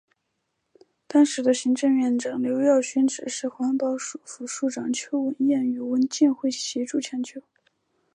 当时行政院长刘兆玄指示环保署副署长邱文彦与文建会协助抢救。